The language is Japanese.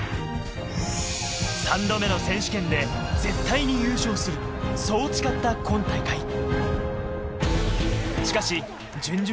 ３度目の選手権で絶対に優勝する、そう誓った今大会。